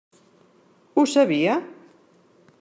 Ho sabia?